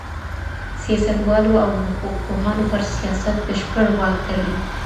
سياستوالو او حقوق پوهانو پر سياست بشپړ واک درلود.